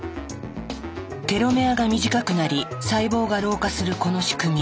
テロメアが短くなり細胞が老化するこの仕組み。